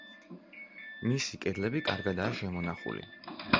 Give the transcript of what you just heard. მისი კედლები კარგადაა შემონახული.